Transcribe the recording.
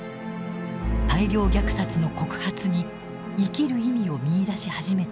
大量虐殺の告発に生きる意味を見いだし始めていた。